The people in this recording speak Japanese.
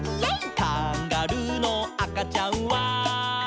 「カンガルーのあかちゃんは」